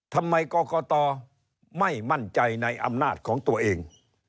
ทำไมกรกตไม่มั่นใจในอำนาจของตัวเอง